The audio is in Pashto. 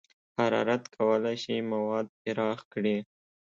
حرارت کولی شي مواد پراخ کړي.